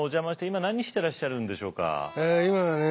今何してらっしゃるんでしょうか。